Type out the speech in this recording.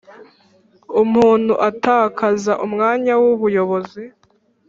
Umuntu atakaza umwanya w ubuyobozi